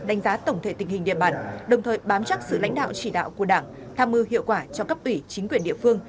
đánh giá tổng thể tình hình địa bàn đồng thời bám chắc sự lãnh đạo chỉ đạo của đảng tham mưu hiệu quả cho cấp ủy chính quyền địa phương